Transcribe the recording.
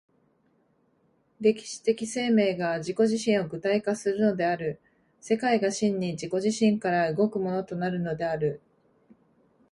歴史的生命が自己自身を具体化するのである、世界が真に自己自身から動くものとなるのである。